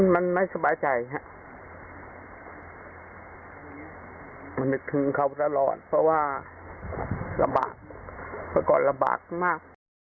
มันไม่สบายใจฮะมันนึกถึงเขาตลอดเพราะว่าลำบากเมื่อก่อนลำบากมาก